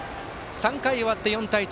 ３回終わって４対１。